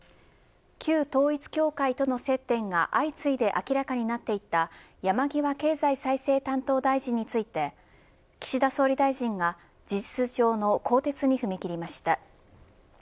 旧統一教会との接点が相次いで明らかになっていた山際経済再生担当大臣について岸田総理大臣が事実上の更迭に踏み切りました。